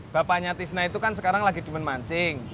bapaknya tisna itu kan sekarang lagi dimen mancing